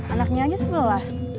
anaknya aja sebelas